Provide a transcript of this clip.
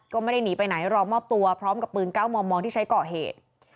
ก็ไม่ได้หนีไปไหนรอมอบตัวพร้อมกับปืน๙มมที่ใช้ก่อเหตุ